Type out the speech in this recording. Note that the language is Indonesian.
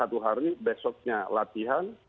satu hari besoknya latihan